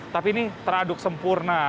tapi ini teraduk sempurna